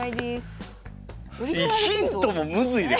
ヒントもむずいで